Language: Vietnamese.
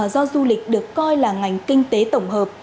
do du lịch được coi là ngành kinh tế tổng hợp